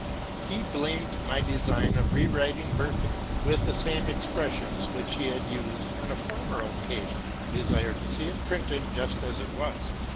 He blamed my design of re writing '' Werther,"' with the same expressions which he had used on a former occasion, and desired to see it printed just as it was.